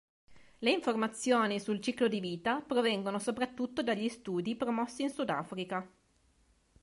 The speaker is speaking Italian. Le informazioni sul suo ciclo di vita provengono soprattutto dagli studi promossi in Sudafrica.